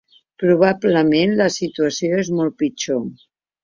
Probablement, la situació és molt pitjor.